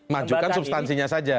majukan substansinya saja